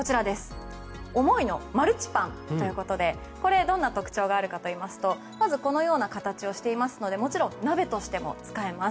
おもいのマルチパンということでどんな特徴があるかというとまずこのような形をしているのでもちろん鍋としても使えます。